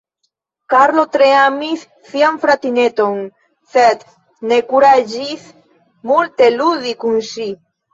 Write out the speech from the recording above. Karlo tre amis sian fratineton, sed ne kuraĝis multe ludi kun ŝi.